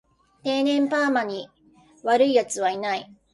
天然パーマに悪い奴はいない